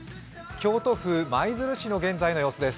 京都府舞鶴市の現在の様子です。